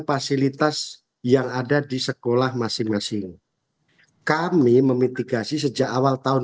fasilitas yang ada di sekolah masing masing kami memitigasi sejak awal tahun